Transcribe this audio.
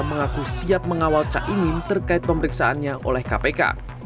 mengaku siap mengawal cak imin terkait pemeriksaannya oleh kpk